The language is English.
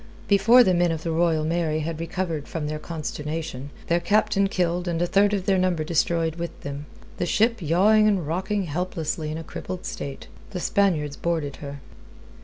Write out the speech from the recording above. Before the men of the Royal Mary had recovered from their consternation, their captain killed and a third of their number destroyed with him, the ship yawing and rocking helplessly in a crippled state, the Spaniards boarded her.